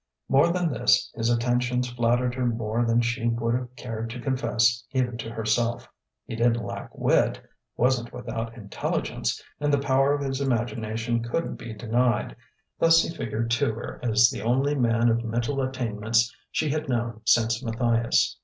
More than this, his attentions flattered her more than she would have cared to confess even to herself. He didn't lack wit, wasn't without intelligence, and the power of his imagination couldn't be denied; thus he figured to her as the only man of mental attainments she had known since Matthias.